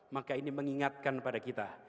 maka ini mengingatkan pada kita